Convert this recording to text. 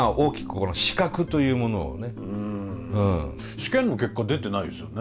試験の結果出てないですよね。